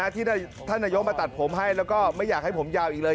ที่ท่านนายกมาตัดผมให้แล้วก็ไม่อยากให้ผมยาวอีกเลย